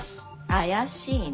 怪しいね。